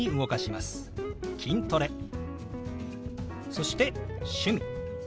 そして「趣味」。